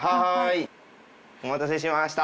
お待たせしました。